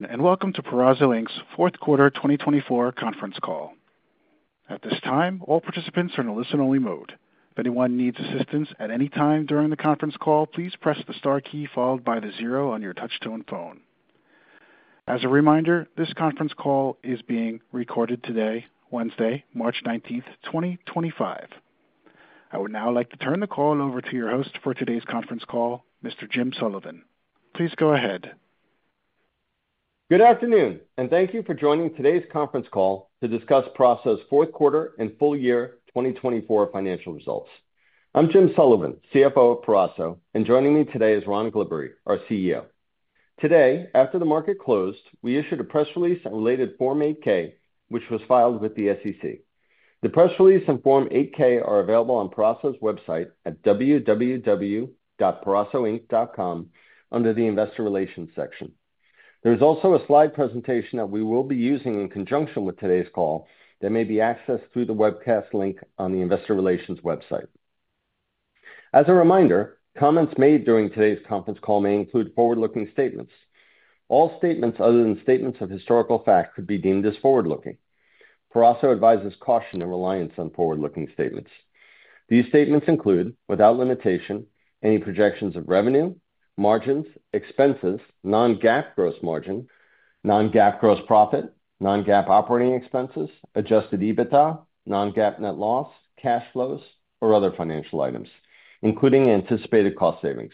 Welcome to Peraso's Q4 2024 Conference Call. At this time, all participants are in a listen-only mode. If anyone needs assistance at any time during the conference call, please press the star key followed by the zero on your touch-tone phone. As a reminder, this conference call is being recorded today, Wednesday, March 19th, 2025. I would now like to turn the call over to your host for today's conference call, Mr. Jim Sullivan. Please go ahead. Good afternoon, and thank you for joining today's conference call to discuss Peraso's Q4 and Full Year 2024 Financial Results. I'm Jim Sullivan, CFO of Peraso, and joining me today is Ron Glibbery, our CEO. Today, after the market closed, we issued a press release and related Form 8-K, which was filed with the SEC. The press release and Form 8-K are available on Peraso's website at www.perasoinc.com under the Investor Relations section. There is also a slide presentation that we will be using in conjunction with today's call that may be accessed through the webcast link on the Investor Relations website. As a reminder, comments made during today's conference call may include forward-looking statements. All statements other than statements of historical fact could be deemed as forward-looking. Peraso advises caution and reliance on forward-looking statements. These statements include, without limitation, any projections of revenue, margins, expenses, non-GAAP gross margin, non-GAAP gross profit, non-GAAP operating expenses, adjusted EBITDA, non-GAAP net loss, cash flows, or other financial items, including anticipated cost savings.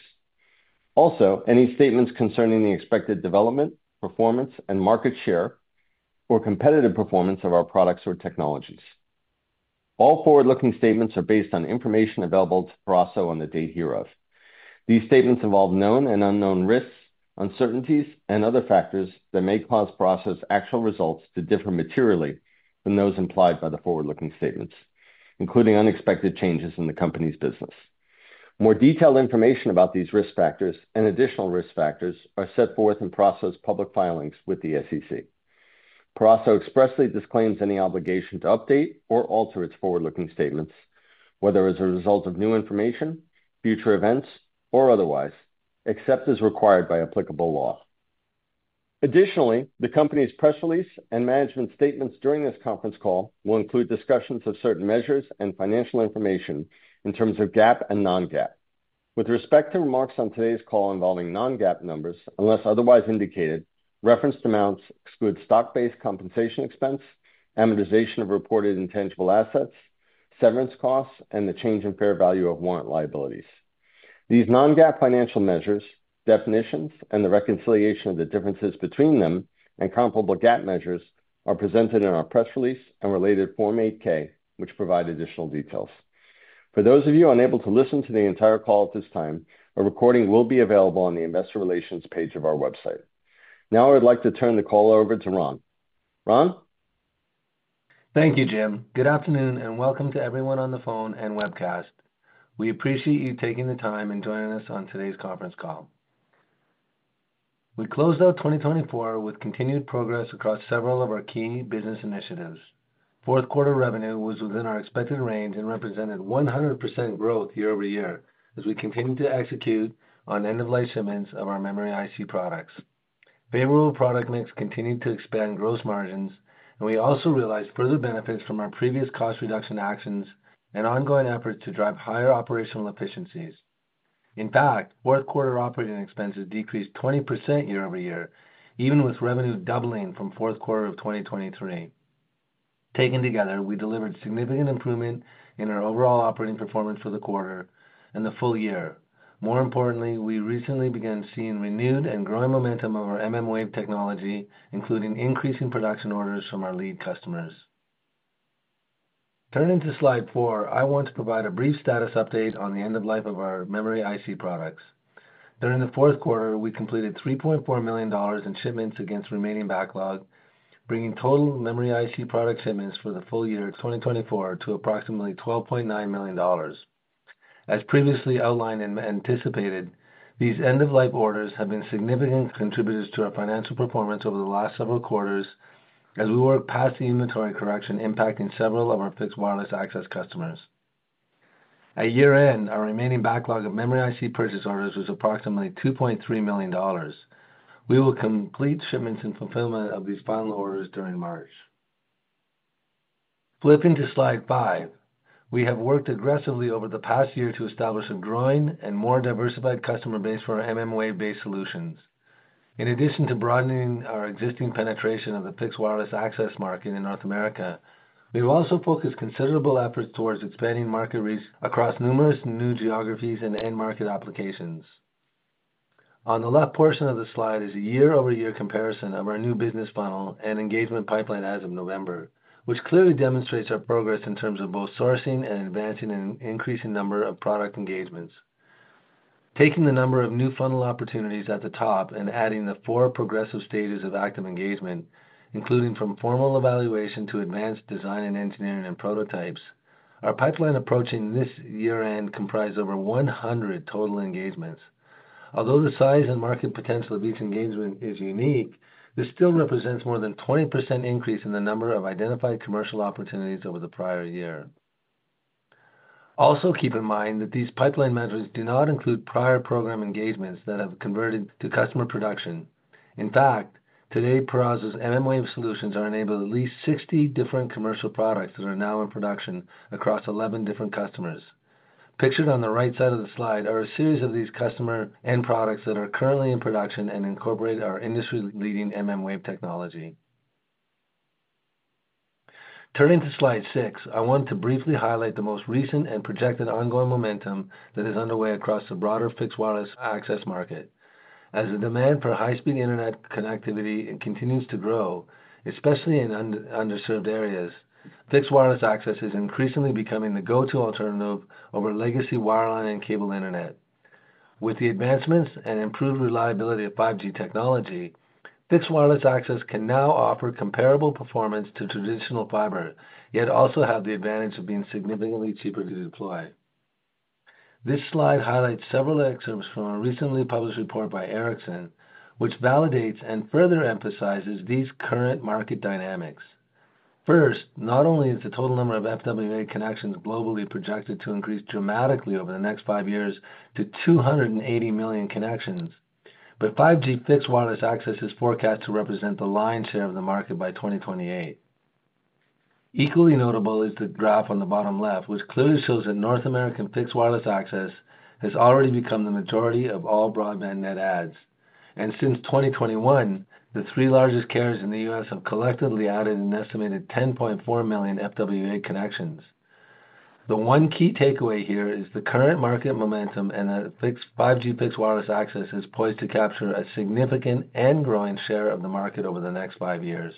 Also, any statements concerning the expected development, performance, and market share or competitive performance of our products or technologies. All forward-looking statements are based on information available to Peraso on the date hereof. These statements involve known and unknown risks, uncertainties, and other factors that may cause Peraso's actual results to differ materially from those implied by the forward-looking statements, including unexpected changes in the company's business. More detailed information about these risk factors and additional risk factors are set forth in Peraso's public filings with the SEC. Peraso expressly disclaims any obligation to update or alter its forward-looking statements, whether as a result of new information, future events, or otherwise, except as required by applicable law. Additionally, the company's press release and management statements during this conference call will include discussions of certain measures and financial information in terms of GAAP and non-GAAP. With respect to remarks on today's call involving non-GAAP numbers, unless otherwise indicated, referenced amounts exclude stock-based compensation expense, amortization of reported intangible assets, severance costs, and the change in fair value of warrant liabilities. These non-GAAP financial measures, definitions, and the reconciliation of the differences between them and comparable GAAP measures are presented in our press release and related Form 8-K, which provide additional details. For those of you unable to listen to the entire call at this time, a recording will be available on the Investor Relations page of our website. Now, I would like to turn the call over to Ron. Ron? Thank you, Jim. Good afternoon, and welcome to everyone on the phone and webcast. We appreciate you taking the time and joining us on today's conference call. We closed out 2024 with continued progress across several of our key business initiatives. Q4 revenue was within our expected range and represented 100% growth year-over-year as we continued to execute on end-of-life shipments of our Memory IC products. Variable product mix continued to expand gross margins, and we also realized further benefits from our previous cost reduction actions and ongoing efforts to drive higher operational efficiencies. In fact, Q4 operating expenses decreased 20% year-over-year, even with revenue doubling from Q4 of 2023. Taken together, we delivered significant improvement in our overall operating performance for the quarter and the full year. More importantly, we recently began seeing renewed and growing momentum of our mmWave technology, including increasing production orders from our lead customers. Turning to Slide four, I want to provide a brief status update on the end-of-life of our Memory IC products. During the Q4, we completed $3.4 million in shipments against remaining backlog, bringing total Memory IC product shipments for the full year 2024 to approximately $12.9 million. As previously outlined and anticipated, these end-of-life orders have been significant contributors to our financial performance over the last several quarters as we worked past the inventory correction impacting several of our fixed wireless access customers. At year-end, our remaining backlog of Memory IC purchase orders was approximately $2.3 million. We will complete shipments and fulfillment of these final orders during March. Flipping to Slide five, we have worked aggressively over the past year to establish a growing and more diversified customer base for our mmWave-based solutions. In addition to broadening our existing penetration of the fixed wireless access market in North America, we have also focused considerable efforts towards expanding market reach across numerous new geographies and end-market applications. On the left portion of the slide is a year-over-year comparison of our new business funnel and engagement pipeline as of November, which clearly demonstrates our progress in terms of both sourcing and advancing an increasing number of product engagements. Taking the number of new funnel opportunities at the top and adding the four progressive stages of active engagement, including from formal evaluation to advanced design and engineering and prototypes, our pipeline approaching this year-end comprised over 100 total engagements. Although the size and market potential of each engagement is unique, this still represents more than a 20% increase in the number of identified commercial opportunities over the prior year. Also, keep in mind that these pipeline measures do not include prior program engagements that have converted to customer production. In fact, today, Peraso's mmWave solutions are enabling at least 60 different commercial products that are now in production across 11 different customers. Pictured on the right side of the Slide are a series of these customer end products that are currently in production and incorporate our industry-leading mmWave technology. Turning to Slide six, I want to briefly highlight the most recent and projected ongoing momentum that is underway across the broader fixed wireless access market. As the demand for high-speed internet connectivity continues to grow, especially in underserved areas, fixed wireless access is increasingly becoming the go-to alternative over legacy wireline and cable internet. With the advancements and improved reliability of 5G technology, fixed wireless access can now offer comparable performance to traditional fiber, yet also have the advantage of being significantly cheaper to deploy. This slide highlights several excerpts from a recently published report by Ericsson, which validates and further emphasizes these current market dynamics. First, not only is the total number of FWA connections globally projected to increase dramatically over the next five years to 280 million connections, but 5G fixed wireless access is forecast to represent the lion's share of the market by 2028. Equally notable is the graph on the bottom left, which clearly shows that North American fixed wireless access has already become the majority of all broadband net adds. Since 2021, the three largest carriers in the U.S. have collectively added an estimated 10.4 million FWA connections. The one key takeaway here is the current market momentum and that 5G fixed wireless access is poised to capture a significant and growing share of the market over the next five years.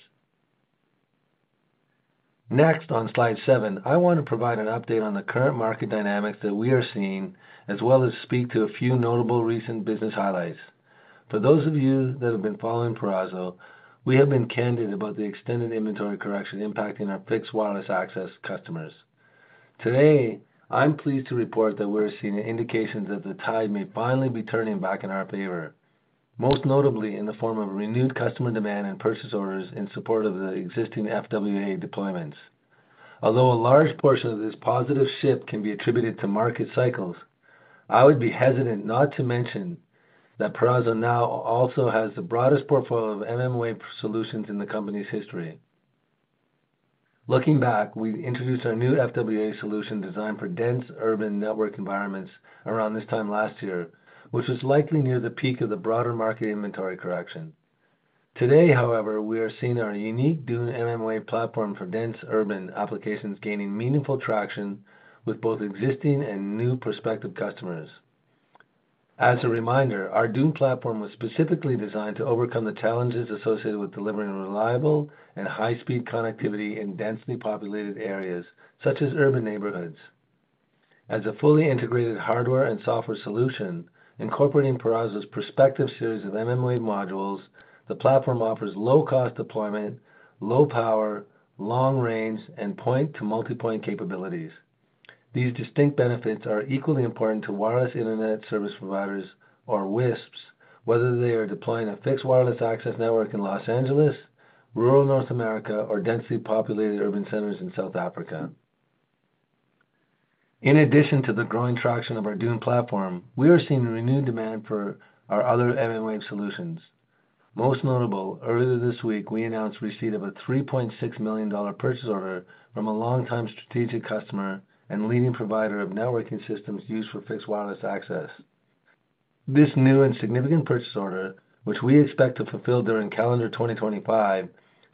Next, on Slide seven, I want to provide an update on the current market dynamics that we are seeing, as well as speak to a few notable recent business highlights. For those of you that have been following Peraso, we have been candid about the extended inventory correction impacting our fixed wireless access customers. Today, I'm pleased to report that we're seeing indications that the tide may finally be turning back in our favor, most notably in the form of renewed customer demand and purchase orders in support of the existing FWA deployments. Although a large portion of this positive shift can be attributed to market cycles, I would be hesitant not to mention that Peraso now also has the broadest portfolio of mmWave solutions in the company's history. Looking back, we introduced our new FWA solution designed for dense urban network environments around this time last year, which was likely near the peak of the broader market inventory correction. Today, however, we are seeing our unique DUNE mmWave platform for dense urban applications gaining meaningful traction with both existing and new prospective customers. As a reminder, our DUNE platform was specifically designed to overcome the challenges associated with delivering reliable and high-speed connectivity in densely populated areas such as urban neighborhoods. As a fully integrated hardware and software solution, incorporating Peraso's prospective series of mmWave modules, the platform offers low-cost deployment, low power, long range, and point-to-multipoint capabilities. These distinct benefits are equally important to wireless internet service providers or WISPs, whether they are deploying a fixed wireless access network in Los Angeles, rural North America, or densely populated urban centers in South Africa. In addition to the growing traction of our DUNE platform, we are seeing renewed demand for our other mmWave solutions. Most notable, earlier this week, we announced the receipt of a $3.6 million purchase order from a longtime strategic customer and leading provider of networking systems used for fixed wireless access. This new and significant purchase order, which we expect to fulfill during calendar 2025,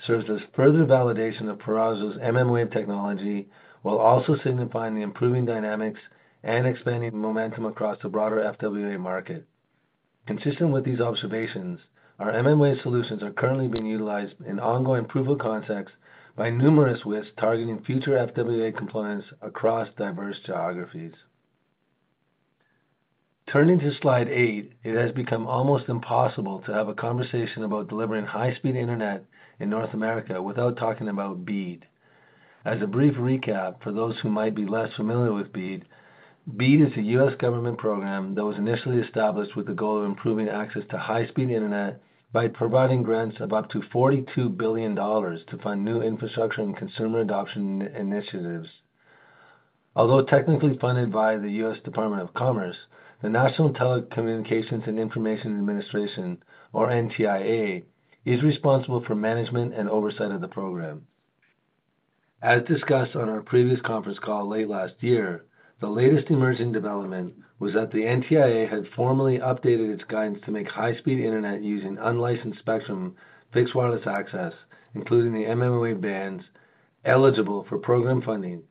serves as further validation of Peraso's mmWave technology while also signifying the improving dynamics and expanding momentum across the broader FWA market. Consistent with these observations, our mmWave solutions are currently being utilized in ongoing approval contexts by numerous WISPs targeting future FWA components across diverse geographies. Turning to Slide eight, it has become almost impossible to have a conversation about delivering high-speed internet in North America without talking about BEAD. As a brief recap for those who might be less familiar with BEAD, BEAD is a U.S. government program that was initially established with the goal of improving access to high-speed internet by providing grants of up to $42 billion to fund new infrastructure and consumer adoption initiatives. Although technically funded by the U.S. Department of Commerce, the National Telecommunications and Information Administration, or NTIA, is responsible for management and oversight of the program. As discussed on our previous conference call late last year, the latest emerging development was that the NTIA had formally updated its guidance to make high-speed internet using unlicensed spectrum fixed wireless access, including the mmWave bands, eligible for program funding,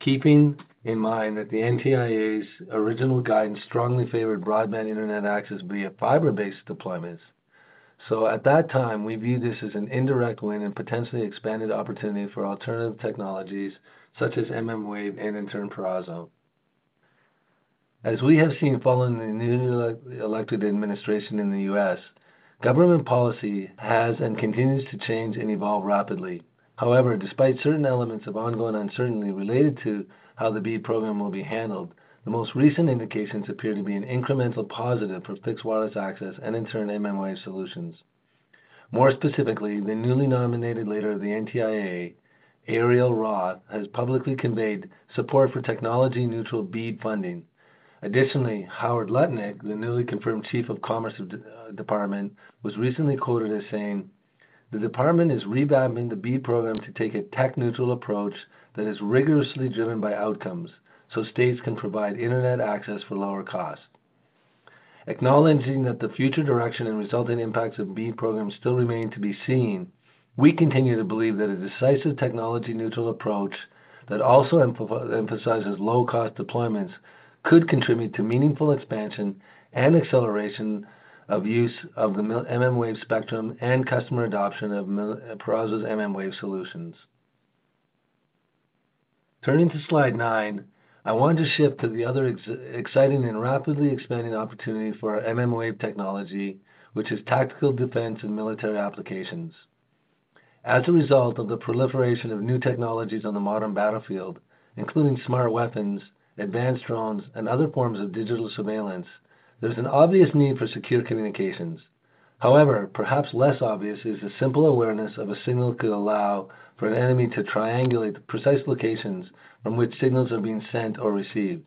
keeping in mind that the NTIA's original guidance strongly favored broadband internet access via fiber-based deployments. At that time, we viewed this as an indirect win and potentially expanded opportunity for alternative technologies such as mmWave and, in turn, Peraso. As we have seen following the newly elected administration in the U.S., government policy has and continues to change and evolve rapidly. However, despite certain elements of ongoing uncertainty related to how the BEAD program will be handled, the most recent indications appear to be an incremental positive for fixed wireless access and, in turn, mmWave solutions. More specifically, the newly nominated leader of the NTIA, Arielle Roth, has publicly conveyed support for technology-neutral BEAD funding. Additionally, Howard Lutnick, the newly confirmed Chief of the Commerce Department, was recently quoted as saying, "The department is revamping the BEAD program to take a tech-neutral approach that is rigorously driven by outcomes so states can provide internet access for lower cost." Acknowledging that the future direction and resulting impacts of BEAD programs still remain to be seen, we continue to believe that a decisive technology-neutral approach that also emphasizes low-cost deployments could contribute to meaningful expansion and acceleration of use of the mmWave spectrum and customer adoption of Peraso's mmWave solutions. Turning to Slide nine, I want to shift to the other exciting and rapidly expanding opportunity for mmWave technology, which is tactical defense and military applications. As a result of the proliferation of new technologies on the modern battlefield, including smart weapons, advanced drones, and other forms of digital surveillance, there's an obvious need for secure communications. However, perhaps less obvious is the simple awareness of a signal could allow for an enemy to triangulate the precise locations from which signals are being sent or received.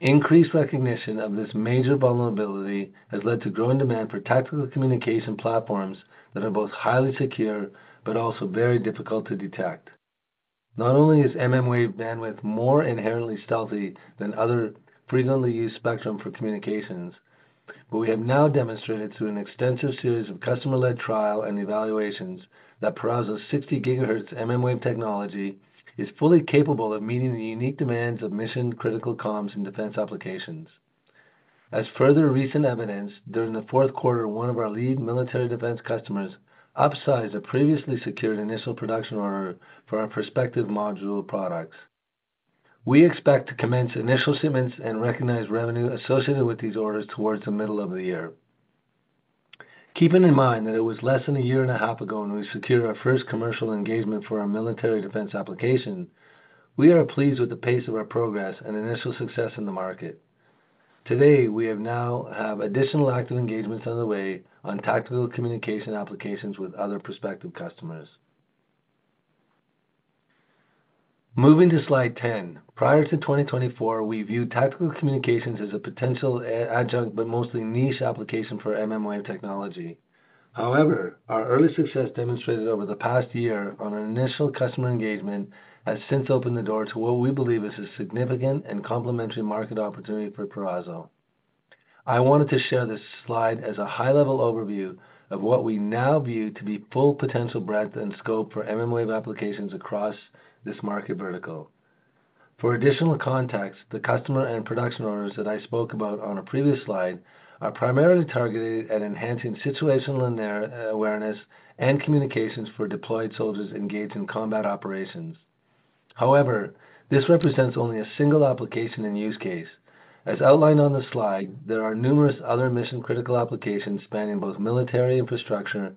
Increased recognition of this major vulnerability has led to growing demand for tactical communication platforms that are both highly secure but also very difficult to detect. Not only is mmWave bandwidth more inherently stealthy than other frequently used spectrum for communications, but we have now demonstrated through an extensive series of customer-led trial and evaluations that Peraso's 60 GHz mmWave technology is fully capable of meeting the unique demands of mission-critical comms and defense applications. As further recent evidence, during the Q4, one of our lead military defense customers upsized a previously secured initial production order for our Prospective module products. We expect to commence initial shipments and recognize revenue associated with these orders towards the middle of the year. Keeping in mind that it was less than a year and a half ago when we secured our first commercial engagement for our military defense application, we are pleased with the pace of our progress and initial success in the market. Today, we now have additional active engagements underway on tactical communication applications with other prospective customers. Moving to Slide 10, prior to 2024, we viewed tactical communications as a potential adjunct but mostly niche application for mmWave technology. However, our early success demonstrated over the past year on our initial customer engagement has since opened the door to what we believe is a significant and complementary market opportunity for Peraso. I wanted to share this slide as a high-level overview of what we now view to be full potential breadth and scope for mmWave applications across this market vertical. For additional context, the customer and production orders that I spoke about on a previous slide are primarily targeted at enhancing situational awareness and communications for deployed soldiers engaged in combat operations. However, this represents only a single application and use case. As outlined on the slide, there are numerous other mission-critical applications spanning both military infrastructure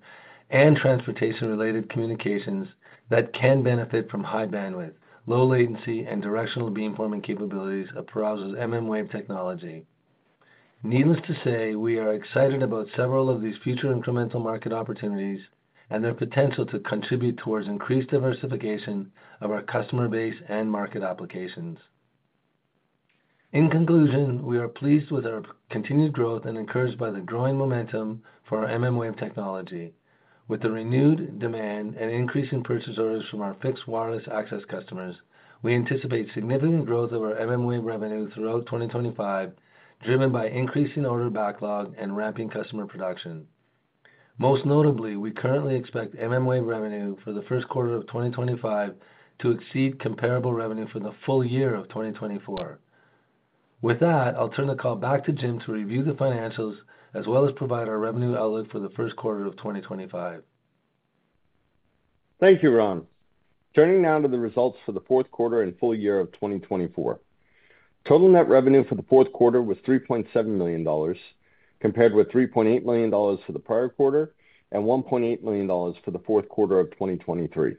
and transportation-related communications that can benefit from high bandwidth, low latency, and directional beamforming capabilities of Peraso's mmWave technology. Needless to say, we are excited about several of these future incremental market opportunities and their potential to contribute towards increased diversification of our customer base and market applications. In conclusion, we are pleased with our continued growth and encouraged by the growing momentum for our mmWave technology. With the renewed demand and increasing purchase orders from our fixed wireless access customers, we anticipate significant growth of our mmWave revenue throughout 2025, driven by increasing order backlog and ramping customer production. Most notably, we currently expect mmWave revenue for the Q1 of 2025 to exceed comparable revenue for the full year of 2024. With that, I'll turn the call back to Jim to review the financials as well as provide our revenue outlook for the Q1 of 2025. Thank you, Ron. Turning now to the results for the Q4 and full year of 2024. Total net revenue for the Q4 was $3.7 million, compared with $3.8 million for the prior quarter and $1.8 million for the Q4 of 2023.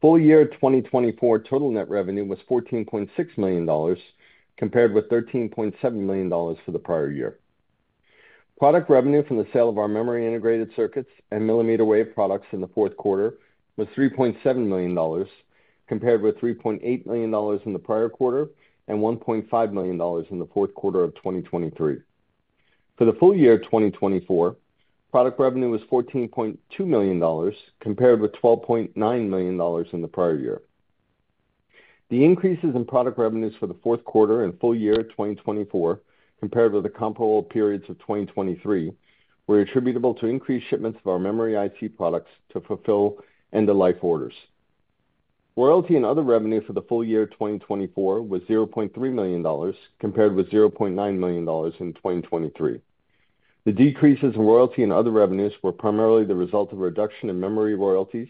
Full-year 2024 total net revenue was $14.6 million, compared with $13.7 million for the prior year. Product revenue from the sale of our memory integrated circuits and mmWave products in the Q4 was $3.7 million, compared with $3.8 million in the prior quarter and $1.5 million in the Q4 of 2023. For the full year of 2024, product revenue was $14.2 million, compared with $12.9 million in the prior year. The increases in product revenues for the Q4 and full year of 2024, compared with the comparable periods of 2023, were attributable to increased shipments of our Memory IC products to fulfill end-of-life orders. Royalty and other revenue for the full year 2024 was $0.3 million, compared with $0.9 million in 2023. The decreases in royalty and other revenues were primarily the result of reduction in memory royalties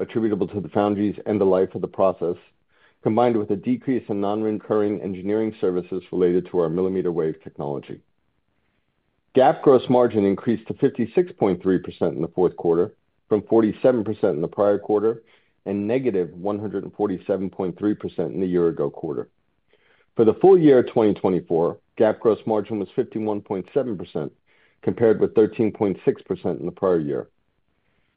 attributable to the foundries' end-of-life of the process, combined with a decrease in non-recurring engineering services related to our mmWave technology. GAAP gross margin increased to 56.3% in the Q4 from 47% in the prior quarter and negative 147.3% in the year-ago quarter. For the full year of 2024, GAAP gross margin was 51.7%, compared with 13.6% in the prior year.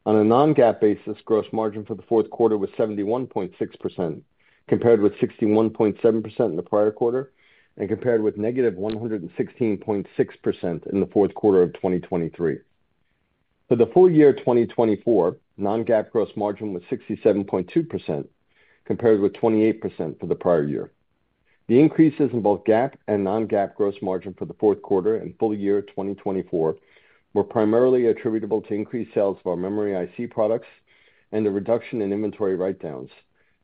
On a non-GAAP basis, gross margin for the Q4 was 71.6%, compared with 61.7% in the prior quarter and compared with -116.6% in the Q4 of 2023. For the full year 2024, non-GAAP gross margin was 67.2%, compared with 28% for the prior year. The increases in both GAAP and non-GAAP gross margin for the Q4 and full year 2024 were primarily attributable to increased sales of our Memory IC products and the reduction in inventory write-downs,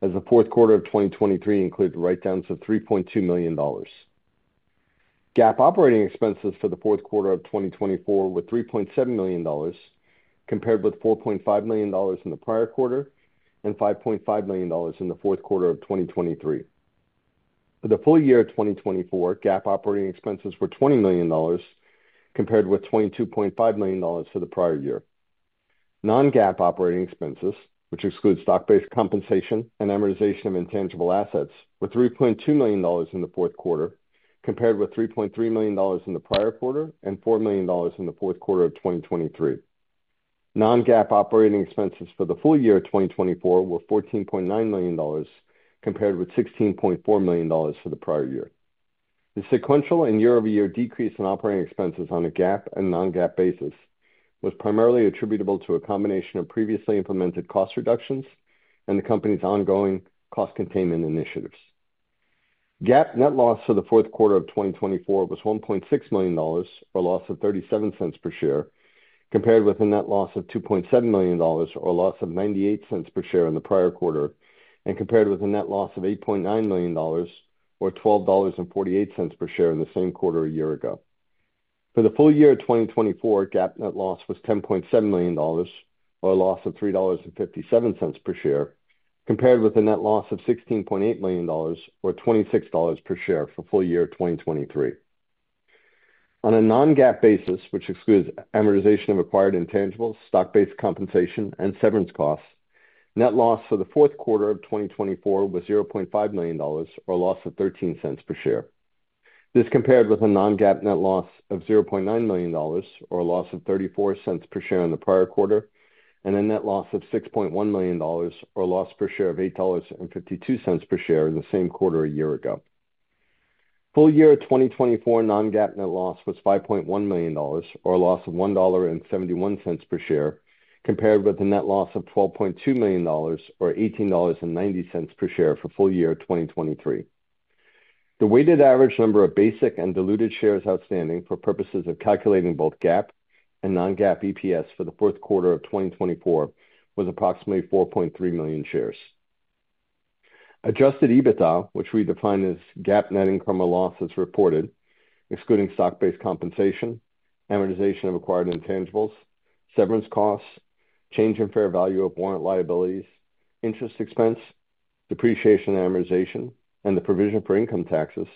as the Q4 of 2023 included write-downs of $3.2 million. GAAP operating expenses for the Q4 of 2024 were $3.7 million, compared with $4.5 million in the prior quarter and $5.5 million in the Q4 of 2023. For the full year of 2024, GAAP operating expenses were $20 million, compared with $22.5 million for the prior year. Non-GAAP operating expenses, which excludes stock-based compensation and amortization of intangible assets, were $3.2 million in the Q4, compared with $3.3 million in the prior quarter and $4 million in the Q4 of 2023. Non-GAAP operating expenses for the full year of 2024 were $14.9 million, compared with $16.4 million for the prior year. The sequential and year-over-year decrease in operating expenses on a GAAP and non-GAAP basis was primarily attributable to a combination of previously implemented cost reductions and the company's ongoing cost containment initiatives. GAAP net loss for the Q4 of 2024 was $1.6 million, or a loss of $0.37 per share, compared with a net loss of $2.7 million, or a loss of $0.98 per share in the prior quarter, and compared with a net loss of $8.9 million, or $12.48 per share in the same quarter a year ago. For the full year of 2024, GAAP net loss was $10.7 million, or a loss of $3.57 per share, compared with a net loss of $16.8 million, or $26 per share for full year 2023. On a non-GAAP basis, which excludes amortization of acquired intangibles, stock-based compensation, and severance costs, net loss for the Q4 of 2024 was $0.5 million, or a loss of $0.13 per share. This compared with a non-GAAP net loss of $0.9 million, or a loss of $0.34 per share in the prior quarter, and a net loss of $6.1 million, or a loss per share of $8.52 per share in the same quarter a year ago. Full year 2024 non-GAAP net loss was $5.1 million, or a loss of $1.71 per share, compared with a net loss of $12.2 million, or $18.90 per share for full year 2023. The weighted average number of basic and diluted shares outstanding for purposes of calculating both GAAP and non-GAAP EPS for the Q4 of 2024 was approximately 4.3 million shares. Adjusted EBITDA, which we define as GAAP net incremental loss as reported, excluding stock-based compensation, amortization of acquired intangibles, severance costs, change in fair value of warrant liabilities, interest expense, depreciation and amortization, and the provision for income taxes,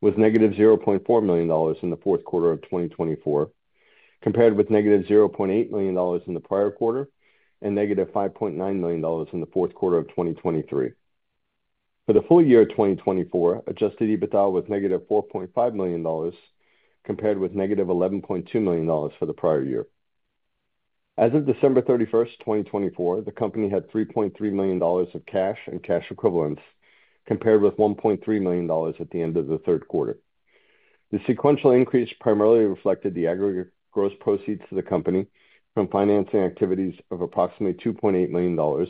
was -$0.4 million in the Q4 of 2024, compared with -$0.8 million in the prior quarter and -$5.9 million in the Q4 of 2023. For the full year 2024, adjusted EBITDA was -$4.5 million, compared with negative $11.2 million for the prior year. As of December 31, 2024, the company had $3.3 million of cash and cash equivalents, compared with $1.3 million at the end of the Q3. The sequential increase primarily reflected the aggregate gross proceeds to the company from financing activities of approximately $2.8 million,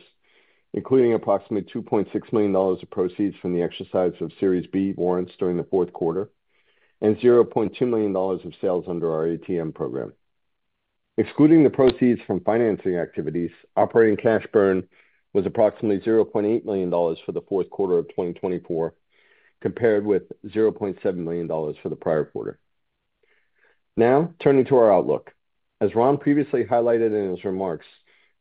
including approximately $2.6 million of proceeds from the exercise of Series B warrants during the Q4, and $0.2 million of sales under our ATM program. Excluding the proceeds from financing activities, operating cash burn was approximately $0.8 million for the Q4 of 2024, compared with $0.7 million for the prior quarter. Now, turning to our outlook. As Ron previously highlighted in his remarks,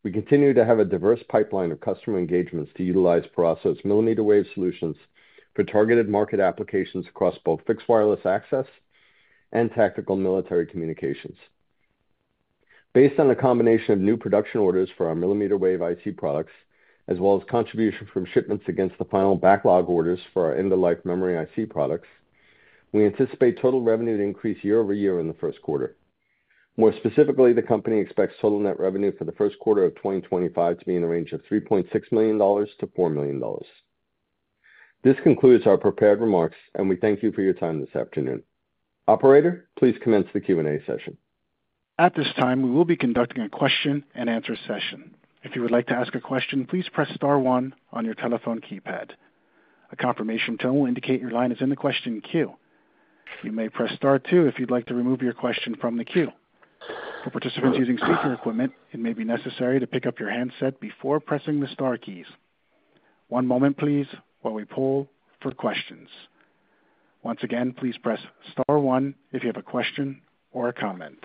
we continue to have a diverse pipeline of customer engagements to utilize Peraso's millimeter mmWave solutions for targeted market applications across both fixed wireless access and tactical military communications. Based on the combination of new production orders for our millimeter mmWave IC products, as well as contribution from shipments against the final backlog orders for our end-of-life Memory IC products, we anticipate total revenue to increase year-over-year in the Q1. More specifically, the company expects total net revenue for the Q1 of 2025 to be in the range of $3.6 million-$4 million. This concludes our prepared remarks, and we thank you for your time this afternoon. Operator, please commence the Q&A session. At this time, we will be conducting a question-and-answer session. If you would like to ask a question, please press star one on your telephone keypad. A confirmation tone will indicate your line is in the question queue. You may press star two if you'd like to remove your question from the queue. For participants using speaker equipment, it may be necessary to pick up your handset before pressing the star keys. One moment, please, while we pull for questions. Once again, please press star one if you have a question or a comment.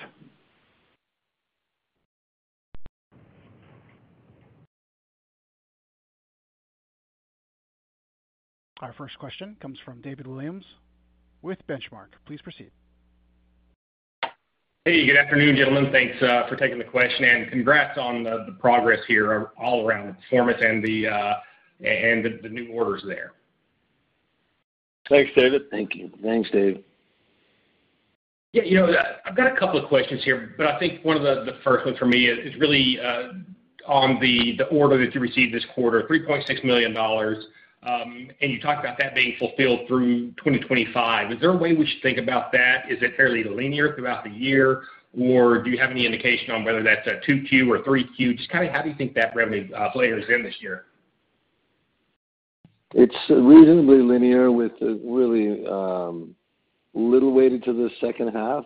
Our first question comes from David Williams with Benchmark. Please proceed. Hey, good afternoon, gentlemen. Thanks for taking the question and congrats on the progress here all around the performance and the new orders there. Thanks, David. Thank you. Thanks, Dave. Yeah, you know I've got a couple of questions here, but I think one of the first ones for me is really on the order that you received this quarter, $3.6 million, and you talked about that being fulfilled through 2025. Is there a way we should think about that? Is it fairly linear throughout the year, or do you have any indication on whether that's a 2Q or 3Q? Just kind of how do you think that revenue flares in this year? It's reasonably linear with really little weighted to the second half,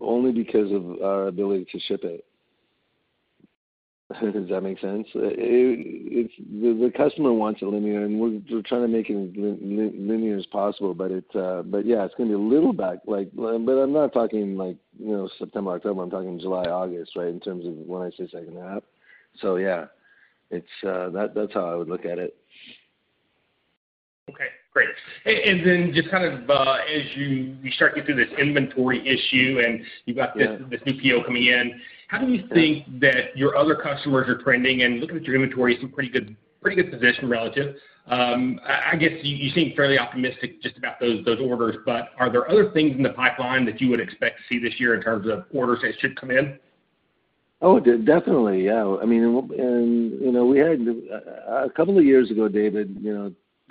only because of our ability to ship it. Does that make sense? The customer wants it linear, and we're trying to make it as linear as possible, but yeah, it's going to be a little back, but I'm not talking September, October. I'm talking July, August, right, in terms of when I say second half. Yeah, that's how I would look at it. Okay, great. And then just kind of as you start to get through this inventory issue and you've got this new PO coming in, how do you think that your other customers are trending? Looking at your inventory, some pretty good position relative. I guess you seem fairly optimistic just about those orders, but are there other things in the pipeline that you would expect to see this year in terms of orders that should come in? Oh, definitely. Yeah. I mean, we had a couple of years ago, David,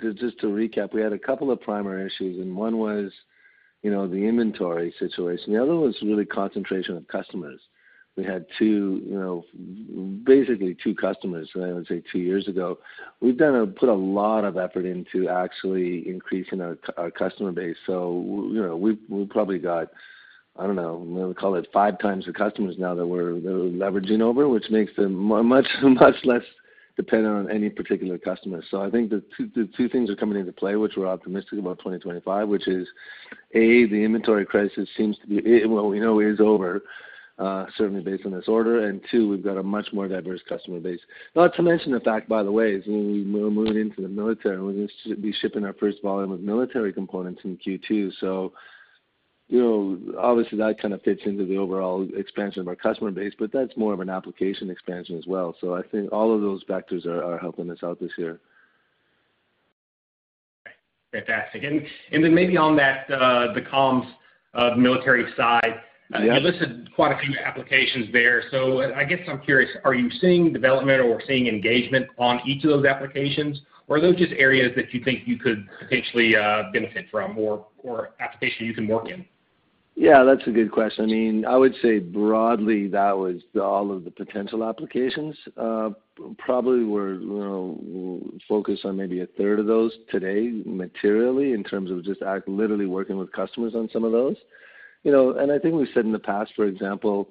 just to recap, we had a couple of primary issues, and one was the inventory situation. The other one was really concentration of customers. We had basically two customers, I would say, two years ago. We've done a lot of effort into actually increasing our customer base. So we probably got, I don't know, we call it five times the customers now that we're leveraging over, which makes them much less dependent on any particular customer. I think the two things are coming into play, which we're optimistic about 2025, which is, A, the inventory crisis seems to be what we know is over, certainly based on this order. Two, we've got a much more diverse customer base. Not to mention the fact, by the way, we're moving into the military. We're going to be shipping our first volume of military components in Q2. Obviously, that kind of fits into the overall expansion of our customer base, but that's more of an application expansion as well. I think all of those factors are helping us out this year. Okay. Fantastic. Maybe on the comms of the military side, you listed quite a few applications there. I guess I'm curious, are you seeing development or seeing engagement on each of those applications, or are those just areas that you think you could potentially benefit from or applications you can work in? Yeah, that's a good question. I mean, I would say broadly that was all of the potential applications. Probably we're focused on maybe a third of those today materially in terms of just literally working with customers on some of those. I think we've said in the past, for example,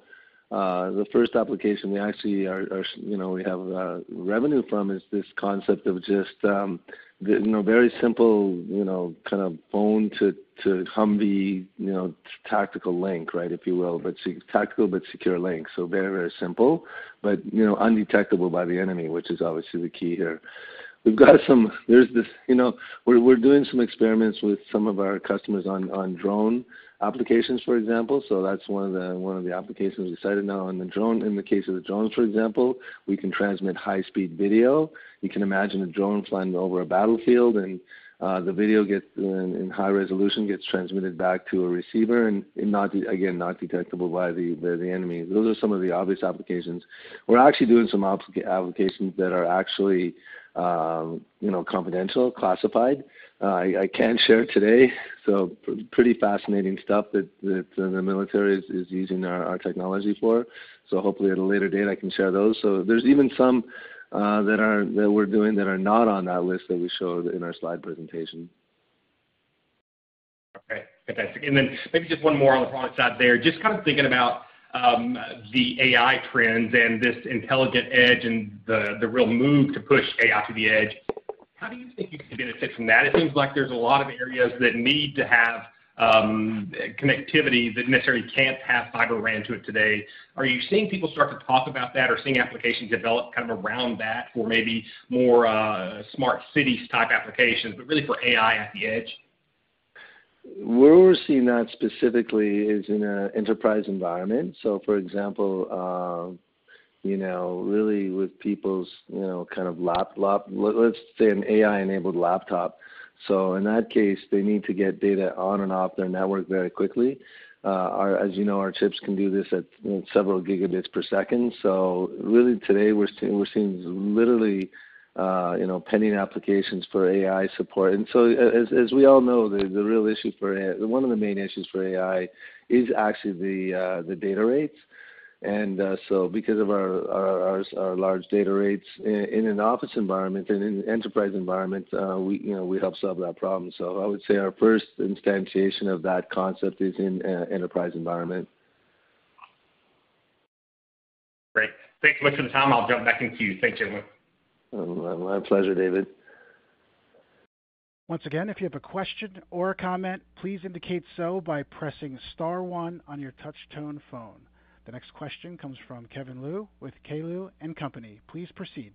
the first application we actually have revenue from is this concept of just very simple kind of phone-to-Humvee tactical link, right, if you will, but tactical but secure link. Very, very simple, but undetectable by the enemy, which is obviously the key here. We've got some, we're doing some experiments with some of our customers on drone applications, for example. That's one of the applications we cited now on the drone. In the case of the drones, for example, we can transmit high-speed video. You can imagine a drone flying over a battlefield, and the video in high resolution gets transmitted back to a receiver, and again, not detectable by the enemy. Those are some of the obvious applications. We're actually doing some applications that are actually confidential, classified. I can't share today. Pretty fascinating stuff that the military is using our technology for. Hopefully at a later date I can share those. There's even some that we're doing that are not on that list that we showed in our slide presentation. Okay. Fantastic. Maybe just one more on the product side there. Just kind of thinking about the AI trends and this intelligent edge and the real move to push AI to the edge, how do you think you can benefit from that? It seems like there's a lot of areas that need to have connectivity that necessarily can't have fiber ran to it today. Are you seeing people start to talk about that or seeing applications develop kind of around that for maybe more smart cities type applications, but really for AI at the edge? Where we're seeing that specifically is in an enterprise environment. For example, really with people's kind of, let's say, an AI-enabled laptop. In that case, they need to get data on and off their network very quickly. As you know, our chips can do this at several gigabits per second. Really today we're seeing literally pending applications for AI support. As we all know, the real issue for AI, one of the main issues for AI, is actually the data rates. Because of our large data rates in an office environment and in an enterprise environment, we help solve that problem. I would say our first instantiation of that concept is in an enterprise environment. Great. Thanks so much for the time. I'll jump back into you. Thanks, gentlemen. My pleasure, David. Once again, if you have a question or a comment, please indicate so by pressing star one on your touch-tone phone. The next question comes from Kevin Liu with K.Liu & Company. Please proceed.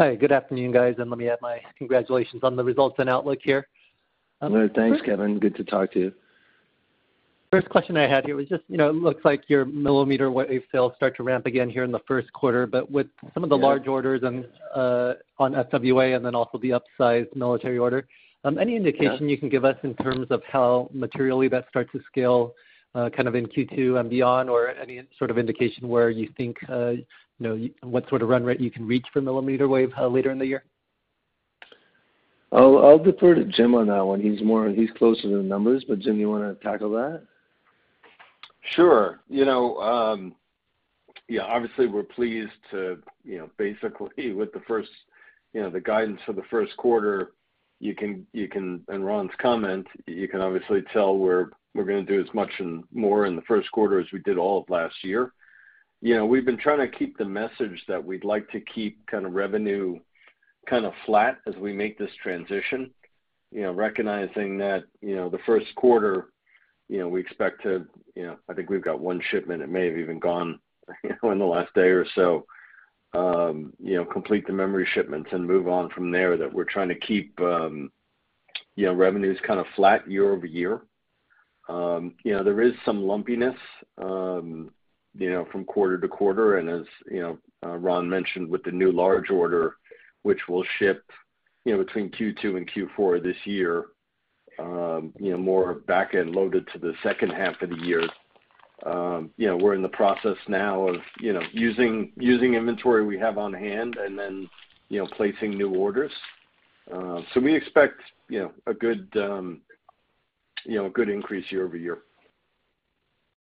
Hi. Good afternoon, guys. Let me add my congratulations on the results and outlook here. Thanks, Kevin. Good to talk to you. First question I had here was just it looks like your mmWave sales start to ramp again here in the Q1, but with some of the large orders on FWA and then also the upsized military order. Any indication you can give us in terms of how materially that starts to scale kind of in Q2 and beyond, or any sort of indication where you think what sort of run rate you can reach for mmWave later in the year? I'll defer to Jim on that one. He's closer to the numbers, but Jim, do you want to tackle that? Sure. Yeah, obviously we're pleased to basically with the guidance for the Q1, and Ron's comment, you can obviously tell we're going to do as much and more in the Q1 as we did all of last year. We've been trying to keep the message that we'd like to keep kind of revenue kind of flat as we make this transition, recognizing that the Q1 we expect to, I think we've got one shipment, it may have even gone in the last day or so, complete the memory shipments and move on from there that we're trying to keep revenues kind of flat year-over-year. There is some lumpiness from quarter-to-quarter, and as Ron mentioned with the new large order, which will ship between Q2 and Q4 this year, more back-end loaded to the second half of the year. We're in the process now of using inventory we have on hand and then placing new orders. We expect a good increase year-over-year.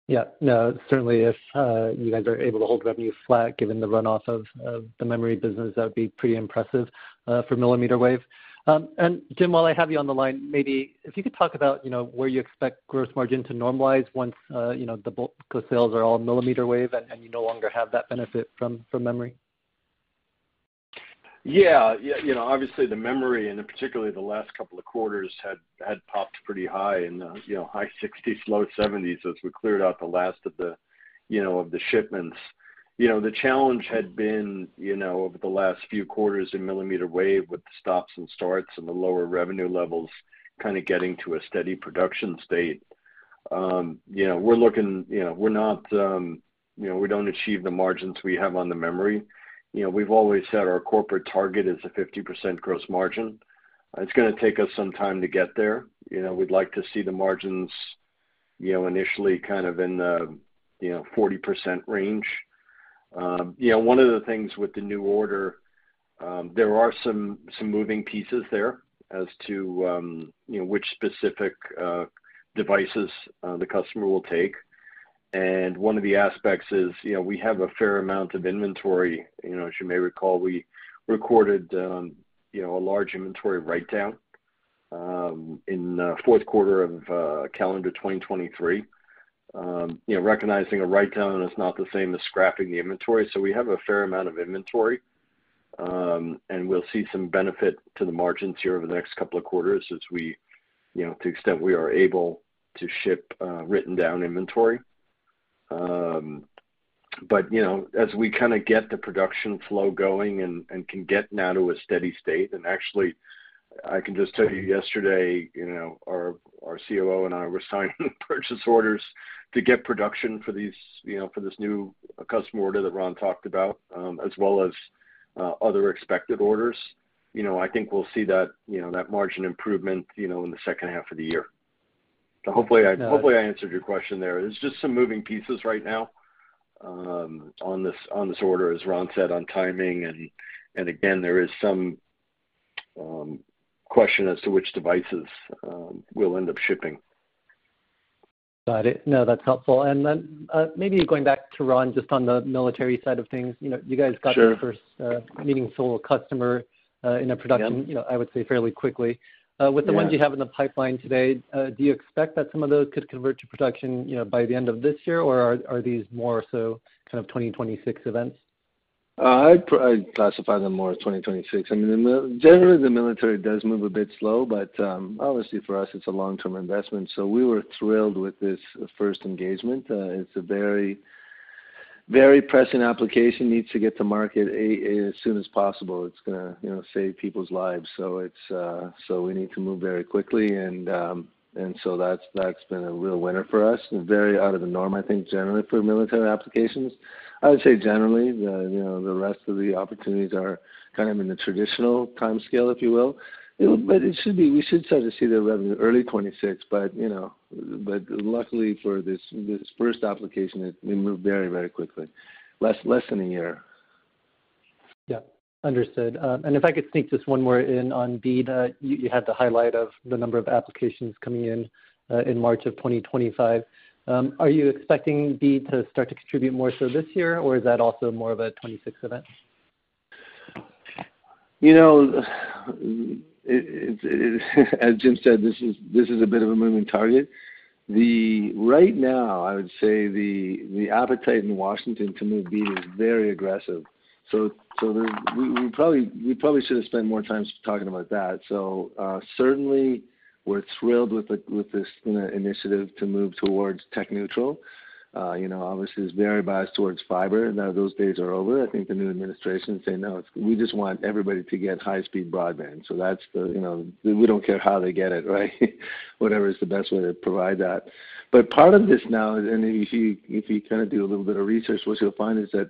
Yeah. No, certainly if you guys are able to hold revenue flat given the runoff of the memory business, that would be pretty impressive for millimeter mmWave. And Jim, while I have you on the line, maybe if you could talk about where you expect gross margin to normalize once the bulk of sales are all millimeter mmWave and you no longer have that benefit from memory. Yeah. Obviously, the memory and particularly the last couple of quarters had popped pretty high in the high 60%-low 70% as we cleared out the last of the shipments. The challenge had been over the last few quarters in mmWave with the stops and starts and the lower revenue levels kind of getting to a steady production state. We're looking, we're not, we don't achieve the margins we have on the memory. We've always had our corporate target is a 50% gross margin. It's going to take us some time to get there. We'd like to see the margins initially kind of in the 40% range. One of the things with the new order, there are some moving pieces there as to which specific devices the customer will take. One of the aspects is we have a fair amount of inventory. As you may recall, we recorded a large inventory write-down in the Q4 of calendar 2023, recognizing a write-down is not the same as scrapping the inventory. We have a fair amount of inventory, and we'll see some benefit to the margins here over the next couple of quarters to the extent we are able to ship written-down inventory. As we kind of get the production flow going and can get now to a steady state, actually I can just tell you yesterday our COO and I were signing purchase orders to get production for this new customer order that Ron talked about, as well as other expected orders. I think we'll see that margin improvement in the second half of the year. Hopefully I answered your question there. There are just some moving pieces right now on this order, as Ron said, on timing. Again, there is some question as to which devices we'll end up shipping. Got it. No, that's helpful. Maybe going back to Ron just on the military side of things, you guys got the first meaningful customer in a production, I would say fairly quickly. With the ones you have in the pipeline today, do you expect that some of those could convert to production by the end of this year, or are these more so kind of 2026 events? I'd classify them more as 2026. I mean, generally the military does move a bit slow, but obviously for us it's a long-term investment. We were thrilled with this first engagement. It's a very pressing application, needs to get to market as soon as possible. It's going to save people's lives. We need to move very quickly. That has been a real winner for us. Very out of the norm, I think, generally for military applications. I would say generally the rest of the opportunities are kind of in the traditional timescale, if you will. We should start to see the revenue early 2026. Luckily for this first application, it moved very, very quickly, less than a year. Yeah. Understood. If I could sneak just one more in on BEAD, you had the highlight of the number of applications coming in in March of 2025. Are you expecting BEAD to start to contribute more so this year, or is that also more of a 2026 event? As Jim said, this is a bit of a moving target. Right now, I would say the appetite in Washington to move BEAD is very aggressive. We probably should have spent more time talking about that. Certainly we're thrilled with this initiative to move towards tech neutral. Obviously, it's very biased towards fiber. Those days are over. I think the new administration is saying, "No, we just want everybody to get high-speed broadband." That's the we don't care how they get it, right? Whatever is the best way to provide that. Part of this now, and if you kind of do a little bit of research, what you'll find is that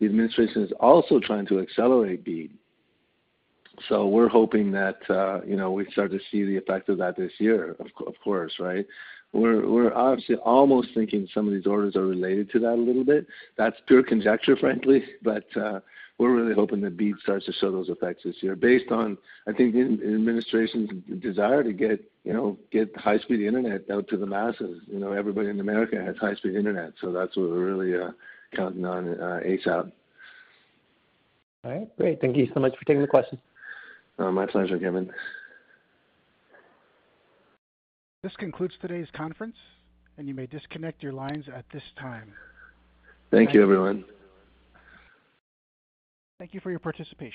the administration is also trying to accelerate BEAD. We're hoping that we start to see the effect of that this year, of course, right? We're obviously almost thinking some of these orders are related to that a little bit. That's pure conjecture, frankly. We're really hoping that BEAD starts to show those effects this year. Based on, I think, the administration's desire to get high-speed internet out to the masses. Everybody in America has high-speed internet. That's what we're really counting on ASAP. All right. Great. Thank you so much for taking the questions. My pleasure, Kevin. This concludes today's conference, and you may disconnect your lines at this time. Thank you, everyone. Thank you for your participation.